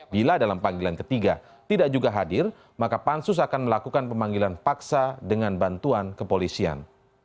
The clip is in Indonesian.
bila dalam panggilan ketiga tidak juga hadir maka pansus akan melakukan pemanggilan paksa dengan bantuan kepolisian